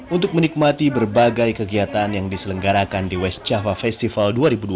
untuk menikmati berbagai kegiatan yang diselenggarakan di west java festival dua ribu dua puluh